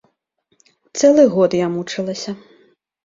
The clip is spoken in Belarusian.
Цэлы год я мучылася.